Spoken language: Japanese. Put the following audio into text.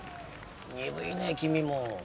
鈍いね君も。